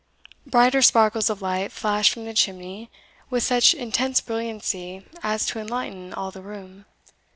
Brighter sparkles of light flashed from the chimney, with such intense brilliancy as to enlighten all the room.